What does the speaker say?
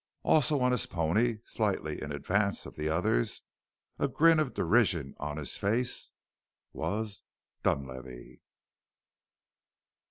Also on his pony, slightly in advance of the others, a grin of derision on his face, was Dunlavey.